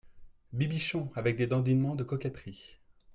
Bibichon, avec des dandinements de coquetterie.